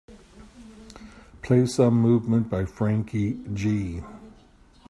play some movement by Franky Gee